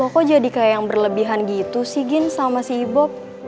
lo kok jadi kayak yang berlebihan gitu sih gine sama si ibob